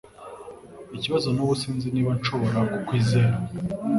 Ikibazo nubu sinzi niba nshobora kukwizera.